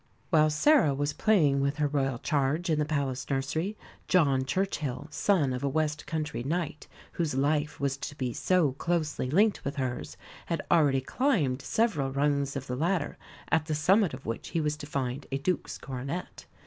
While Sarah was playing with her Royal charge in the Palace nursery, John Churchill, son of a West Country knight, whose life was to be so closely linked with hers, had already climbed several rungs of the ladder at the summit of which he was to find a Duke's coronet.